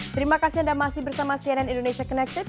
terima kasih anda masih bersama cnn indonesia connected